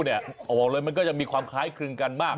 บอกเลยมันก็จะมีความคล้ายคลึงกันมาก